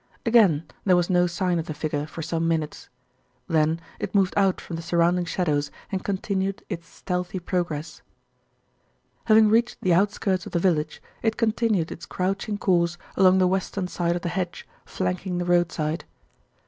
Again there was no sign of the figure for some minutes. Then it moved out from the surrounding shadows and continued its stealthy progress. Having reached the outskirts of the village, it continued its crouching course along the western side of the hedge flanking the roadside.